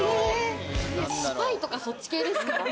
スパイとかそっち系ですか？